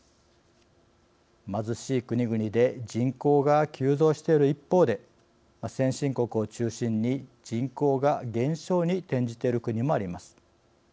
貧しい国々で人口が急増している一方で先進国を中心に人口が減少に転じている国もあります。